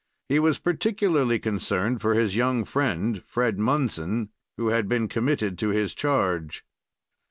He was particularly concerned for his young friend, Fred Munson, who had been committed to his charge.